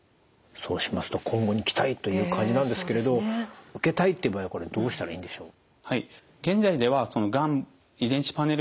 そうしますと今後に期待という感じなんですけれど受けたいっていう場合はこれどうしたらいいんでしょう？